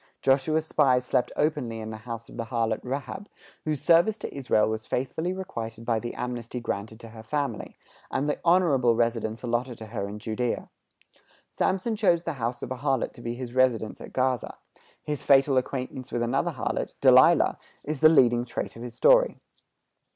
Joshua's spies slept openly in the house of the harlot Rahab, whose service to Israel was faithfully requited by the amnesty granted to her family, and the honorable residence allotted to her in Judæa. Samson chose the house of a harlot to be his residence at Gaza; his fatal acquaintance with another harlot, Delilah, is the leading trait of his story.